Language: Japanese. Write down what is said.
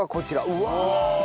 うわ！